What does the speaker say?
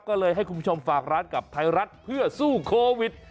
ก็เลยให้คุณผู้ชมฝากร้านกับไทยรัฐเพื่อสู้โควิด